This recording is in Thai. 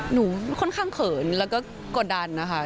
หนูค่อนข้างเขินแล้วก็กดดันนะคะ